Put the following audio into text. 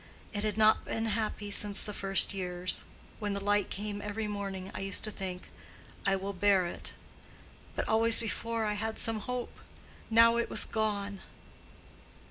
It had not been happy since the first years: when the light came every morning I used to think, 'I will bear it.' But always before I had some hope; now it was gone.